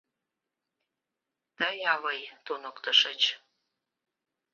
Тый, авый, туныктышыч...